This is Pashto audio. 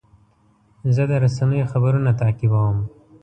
زه د رسنیو خبرونه تعقیبوم.